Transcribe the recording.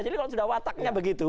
jadi kalau sudah wataknya begitu